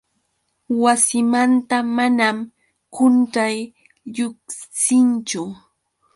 Wasimanta manam quntay lluqsinchu.